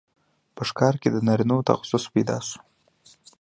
په ښکار کې د نارینه وو تخصص پیدا شو.